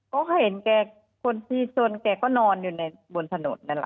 ก็เห็นแกคนที่ชนแกก็นอนอยู่ในบนถนนนั่นแหละ